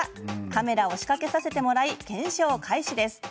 カメラを仕掛けさせてもらい検証開始です。